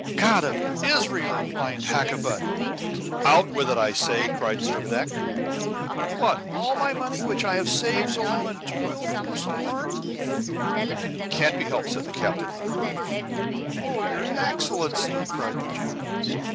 "God of Israel!" whined Hakkabut. "Out with it, I say!" cried Servadac. "What, all my money, which I have saved so long, and toiled for so hard?" "It can't be helped," said the captain, unmoved. "Oh, your Excellency!" cried the Jew.